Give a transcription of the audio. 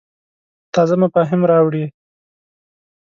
تازه مفاهیم راوړې.